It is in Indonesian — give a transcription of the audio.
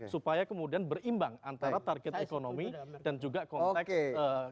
supaya kemudian berimbang antara target ekonomi dan juga konteks ekonomi